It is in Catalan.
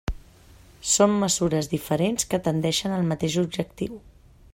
Són mesures diferents que tendeixen al mateix objectiu.